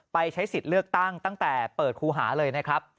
ใช้สิทธิ์เลือกตั้งตั้งแต่เปิดครูหาเลยนะครับ